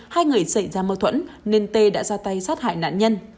hai người xảy ra mâu thuẫn nên tê đã ra tay sát hại nạn nhân